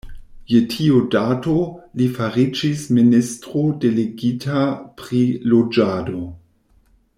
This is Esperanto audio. Je tiu dato, li fariĝis ministro delegita pri loĝado.